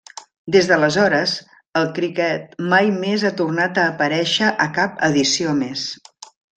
Des d'aleshores, el criquet mai més ha tornat a aparèixer a cap edició més.